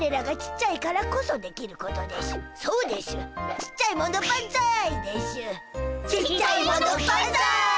ちっちゃいものばんざい！